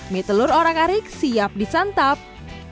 mie telur orak arik siap disantap